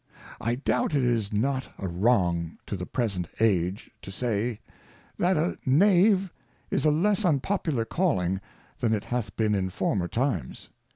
I doubt it is not a wrong to the present Age, to say, that a Knave is a less unpopular Calling than it hath been in former times.